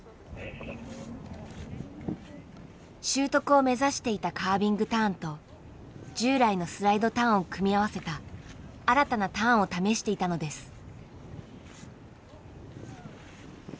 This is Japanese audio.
習得を目指していたカービングターンと従来のスライドターンを組み合わせた新たなターンを試していたのです。